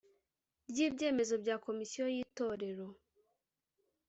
ry ibyemezo bya komisiyo yitorero